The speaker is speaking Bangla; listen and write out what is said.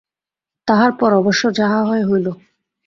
তাহার পর অবশ্য যাহা হয় হইল।